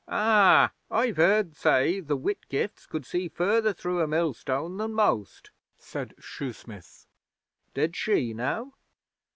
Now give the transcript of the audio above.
'Ah! I've heard say the Whitgifts could see further through a millstone than most,' said Shoesmith. 'Did she, now?'